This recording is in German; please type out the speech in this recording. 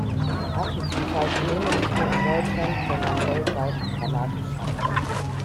Die Artenvielfalt nähme nicht nur in Deutschland, sondern weltweit dramatisch ab.